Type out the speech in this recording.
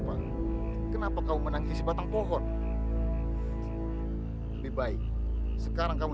jangan lupa jangan tinggalkan aku